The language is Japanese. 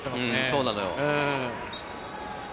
そうなのよ。